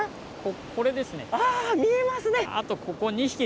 これですね、あー、見えますね。